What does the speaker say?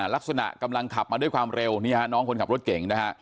ลักษณะกำลังขับมาด้วยความเร็วนี่ฮะน้องคนขับรถเก่งนะฮะ